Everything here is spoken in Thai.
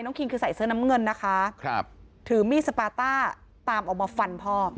คิงคือใส่เสื้อน้ำเงินนะคะถือมีดสปาต้าตามออกมาฟันพ่อ